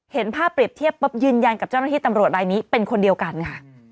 เห็นภาพเปรียบเทียบปุ๊บยืนยันกับเจ้าหน้าที่ตำรวจรายนี้เป็นคนเดียวกันค่ะ